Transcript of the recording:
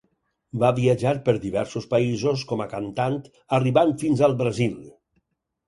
Va viatjar per diversos països com a cantant, arribant fins al Brasil.